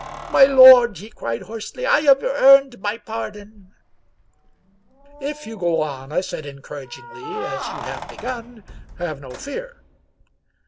" My lord," he cried hoarsely, " I have earned my pardon !"" If you go on," I said encouragingly, " as you have be gun, have no fear."